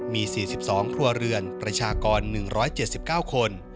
มี๔๒ครัวเรือนประชากร๑๗๙คน